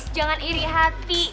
jangan iri hati